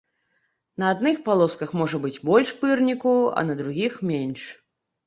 На адных палосках можа быць больш пырніку, а на другіх менш.